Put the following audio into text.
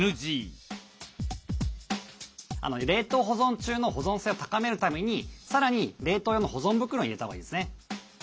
冷凍保存中の保存性を高めるためにさらに冷凍用の保存袋に入れたほうがいいですね。